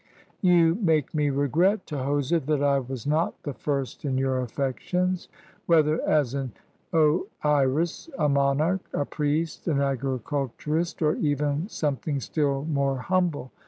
"You make me regret, Tahoser, that I was not the first in your affections, whether as an oeris, a monarch, a priest, an agriculturist, or even something still more humble.